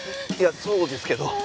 いやそうですけど。